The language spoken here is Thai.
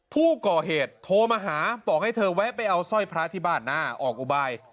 ผู้ก่อเหตุโทรมาหาบอกให้เธอแวะไปเอาสร้อยพระที่บ้านหน้าออกอุบาย